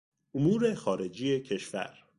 امور خارجی کشور